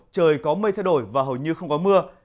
trời có mây thay đổi và hầu như không có mưa